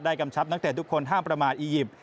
กำชับนักเตะทุกคนห้ามประมาทอียิปต์